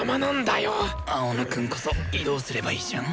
青野くんこそ移動すればいいじゃん。